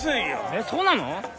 えっそうなの？